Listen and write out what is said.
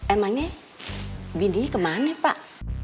emangnya bintik kemana pak